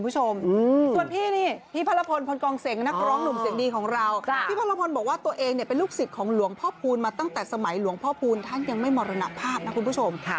โชคดีกันทั่วหน้าด้วยค่ะคุณผู้ชม